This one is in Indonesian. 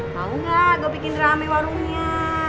tau gak gue bikin rame warungnya